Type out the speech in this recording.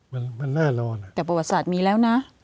มันมันแน่นอนอ่ะแต่ประวัติศาสตร์มีแล้วนะ